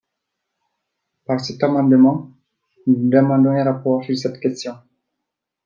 Par cet amendement, nous demandons un rapport sur cette question.